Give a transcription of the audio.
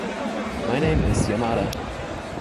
My name is Yamada.